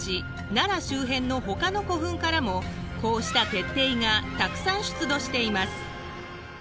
奈良周辺のほかの古墳からもこうした鉄がたくさん出土しています。